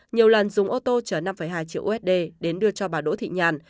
nhiều lần dùng ô tô chở năm hai triệu usd đến đưa cho bà đỗ thị nhàn